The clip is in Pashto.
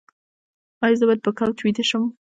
ایا زه باید په کوچ ویده شم؟